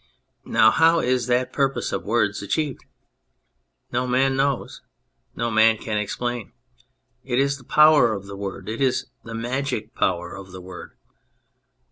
Now how is that purpose of words achieved ? No man knows. No man can explain : it is the power of the Word, it is the magic power of the Word.